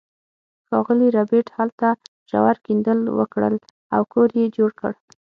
ښاغلي ربیټ هلته ژور کیندل وکړل او کور یې جوړ کړ